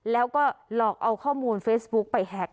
แล้วก็หลอกเอาข้อมูลเฟซบุ๊คไปแฮ็ก